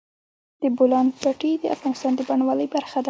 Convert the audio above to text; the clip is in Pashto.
د بولان پټي د افغانستان د بڼوالۍ برخه ده.